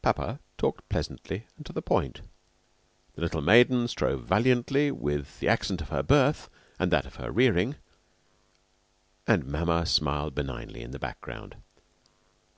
Papa talked pleasantly and to the point. The little maiden strove valiantly with the accent of her birth and that of her rearing, and mamma smiled benignly in the background.